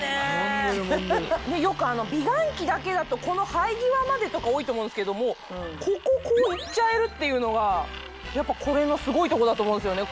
よく美顔器だけだとこの生え際までとか多いと思うんですけどもこここう行っちゃえるっていうのがこれのすごいとこだと思うんですよね。